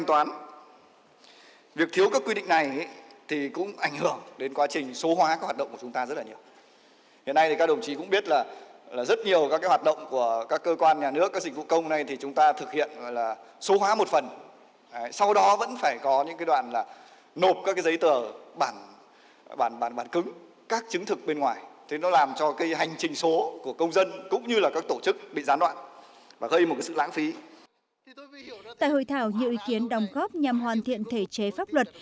tại hội thảo nhiều ý kiến đồng góp nhằm hoàn thiện thể chế pháp luật